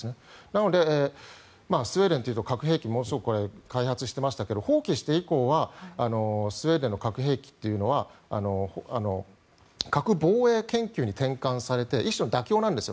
なので、スウェーデンというと核兵器ものすごく開発していましたが放棄して以降はスウェーデンの核兵器は核防衛研究に転換されて一種の妥協なんです。